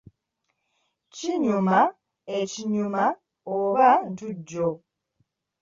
Kinyumu ekinyuma oba ntujjo.